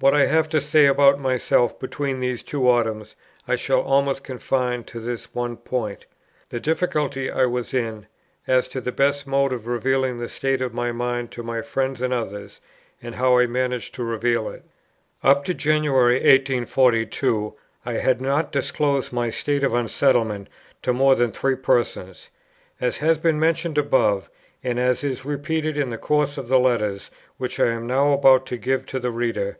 What I have to say about myself between these two autumns I shall almost confine to this one point, the difficulty I was in, as to the best mode of revealing the state of my mind to my friends and others, and how I managed to reveal it. Up to January, 1842, I had not disclosed my state of unsettlement to more than three persons, as has been mentioned above, and as is repeated in the course of the letters which I am now about to give to the reader.